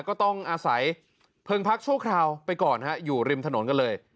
ก็ต้องอาศัยเพลิงพักชั่วคราวไปก่อนฮะอยู่ริมถนนกันเลย